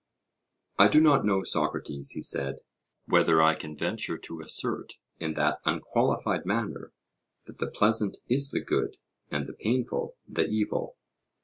I do not know, Socrates, he said, whether I can venture to assert in that unqualified manner that the pleasant is the good and the painful the evil.